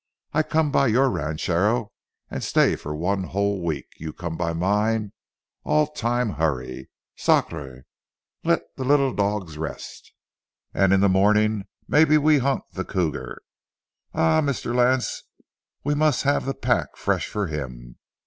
I come by your rancho an' stay one hol' week. You come by mine, al' time hurry. Sacré! Let de li'l dogs rest, an' in de mornin', mebbe we hunt de cougar. Ah, Meester Lance, we must haff de pack fresh for him.